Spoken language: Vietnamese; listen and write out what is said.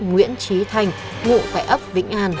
nguyễn trí thanh ngụ tại ấp vĩnh an